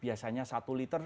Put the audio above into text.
biasanya satu liter